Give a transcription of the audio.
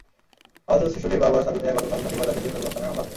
আহত শিশুটির বাবা সাজু মিয়া গতকাল শনিবার রাতে সুন্দরগঞ্জ থানায় মামলা করেন।